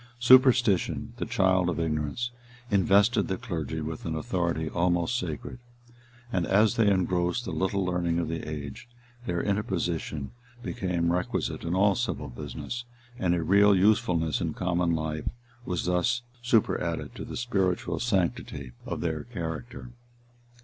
Superstition, the child of ignorance, invested the clergy with an authority almost sacred; and as they engrossed the little learning of the age, their interposition became requisite in all civil business, and a real usefulness in common life was thus superadded to the spiritual sanctity of their character.